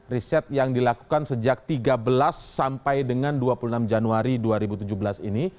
riset yang dilakukan sejak tiga belas sampai dengan dua puluh enam januari dua ribu tujuh belas ini